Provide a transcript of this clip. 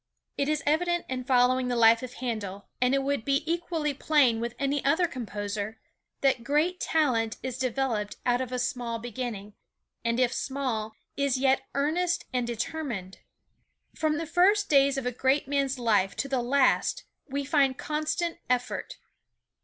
It is evident in following the life of Handel, and it would be equally plain with any other composer, that great talent is developed out of a small beginning, and if small, is yet earnest and determined. From the first days of a great man's life to the last we find constant effort.